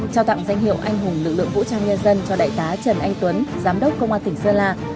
trao tặng danh hiệu anh hùng lực lượng vũ trang nhân dân cho đại tá trần anh tuấn giám đốc công an tỉnh sơn la